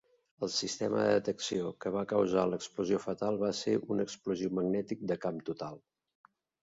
El sistema de detecció que va causar l'explosió fatal va ser un explosiu magnètic de camp total.